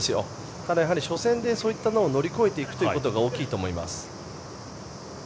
ただ、やはり初戦でそういったのを乗り越えていくのが大きいと思います。